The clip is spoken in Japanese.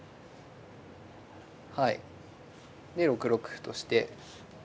はいで６六歩として。